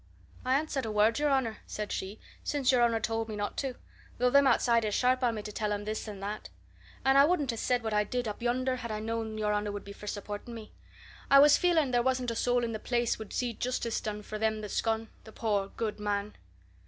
"I an't said a word, your honour," said she, "since your honour told me not to, though them outside is sharp on me to tell 'em this and that. And I wouldn't have said what I did up yonder had I known your honour would be for supporting me. I was feeling there wasn't a soul in the place would see justice done for him that's gone the poor, good man!"